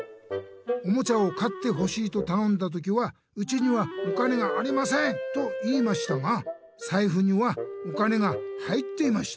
おもちゃを買ってほしいとたのんだ時は『うちにはお金がありません！』と言いましたがさいふにはお金が入っていました。